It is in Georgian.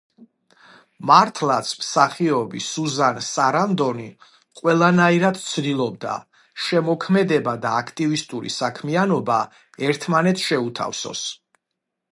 მართლაც, მსახიობი სუზან სარანდონი ყველანაირად ცდილობს, შემოქმედება და აქტივისტური საქმიანობა ერთმანეთს შეუთავსოს.